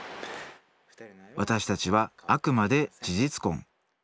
私たちはあくまで事実婚。